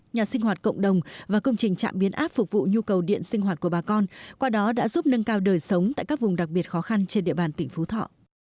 nhà sinh hoạt cộng đồng và công trình trạm biến áp phục vụ nhu cầu điện sinh hoạt của bà con qua đó đã giúp nâng cao đời sống tại các vùng đặc biệt khó khăn trên địa bàn tỉnh phú thọ